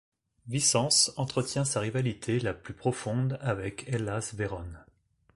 Vicence entretient sa rivalité la plus profonde avec Hellas Vérone.